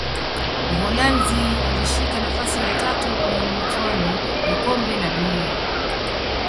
uholanzi alishika nafasi ya tatu kwenye michuano ya kombe la dunia